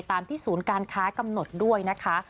ตามที่ศูนย์การค้ากำหนดด้วยนะคะ